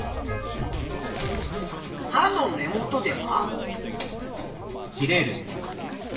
はの根元では？